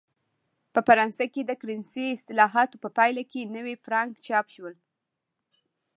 په فرانسه کې د کرنسۍ اصلاحاتو په پایله کې نوي فرانک چاپ شول.